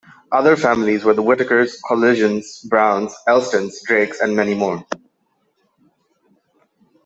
Other families were the Whitakers, Collisions, Browns, Elstons, Drakes and many more.